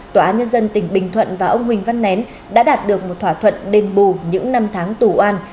tòa án nhân dân tỉnh bình thuận và ông huỳnh văn nén đã đạt được một thỏa thuận đền bù những năm tháng tù an